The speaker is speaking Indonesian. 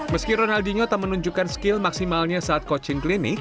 meski ronaldinho tak menunjukkan skill maksimalnya saat coaching klinik